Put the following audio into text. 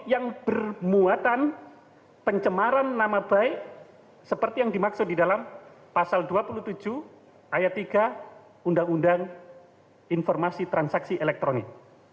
yang bermuatan pencemaran nama baik seperti yang dimaksud di dalam pasal dua puluh tujuh ayat tiga undang undang informasi transaksi elektronik